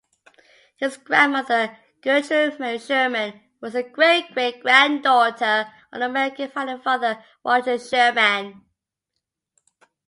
His grandmother Gertrude Mary Sherman was the great-great-granddaughter of American founding father Roger Sherman.